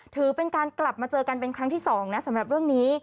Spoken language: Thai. ถือเป็นการกลับมาเจอกันเป็นครั้งที่๒นะสำหรับเรื่องนี้